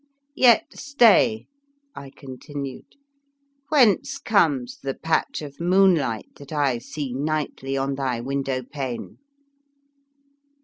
"Yet stay," I continued: " whence comes the patch of moon light that I see nightly on thy win dow pane?